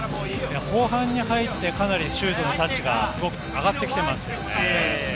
後半に入って、かなりシュートのタッチがすごく上がってきていますよね。